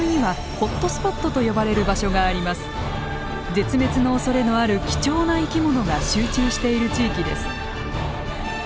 絶滅のおそれのある貴重な生き物が集中している地域です。